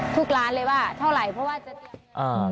ทุกร้านเลยว่าเท่าไหร่เพราะว่าจะอ่า